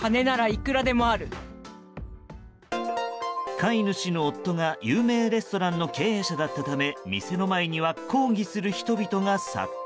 飼い主の夫が有名レストランの経営者だったため店の前には抗議する人々が殺到。